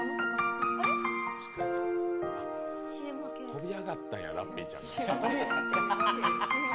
飛び上がったんや、ラッピーちゃん。